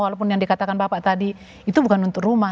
walaupun yang dikatakan bapak tadi itu bukan untuk rumah